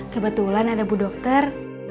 kebetulan ada bu dokter